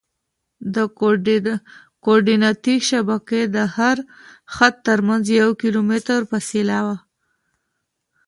د کورډیناتي شبکې د هر خط ترمنځ یو کیلومتر فاصله وي